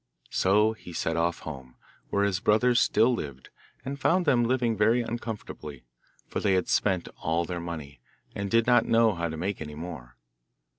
So he set off home, where his brothers still lived, and found them living very uncomfortably, for they had spent all their money, and did not know how to make any more.